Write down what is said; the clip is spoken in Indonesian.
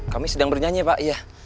kami sedang bernyanyi pak